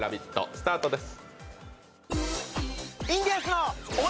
スタートです。